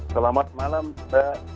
selamat malam mbak